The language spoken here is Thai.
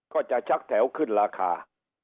ก็จะชักแถวขึ้นราคา